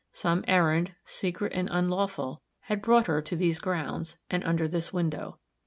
Some errand, secret and unlawful, had brought her to these grounds, and under this window.